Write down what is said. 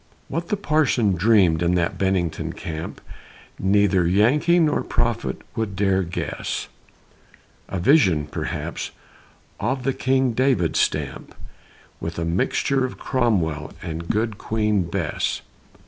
What the Parson dreamed in that Bennington camp, Neither Yankee nor Prophet would dare to guess; A vision, perhaps, of the King David stamp, With a mixture of Cromwell and good Queen Bess.